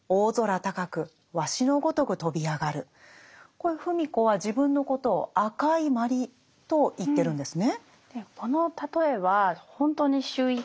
これ芙美子は自分のことを「赤いマリ」と言ってるんですね。